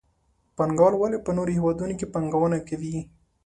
پانګوال ولې په نورو هېوادونو کې پانګونه کوي؟